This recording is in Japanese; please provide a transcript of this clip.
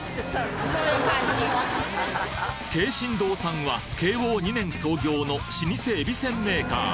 桂新堂さんは慶応２年創業の老舗えびせんメーカー